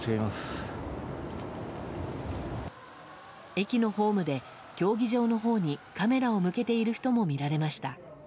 駅のホームで競技場のほうにカメラを向けている人も見られました。